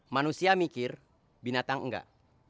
manusia mikir binatang enggak